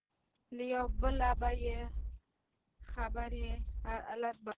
له یوه بله بې خبري یې علت باله.